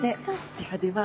ではでは。